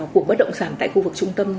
của bất động sản tại khu vực trung tâm